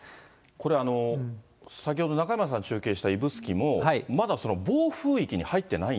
これ、先ほど、中山さん中継した指宿も、まだ暴風域に入ってない？